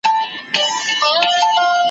یا دولت وینو په خوب کي یا بری یا شهرتونه `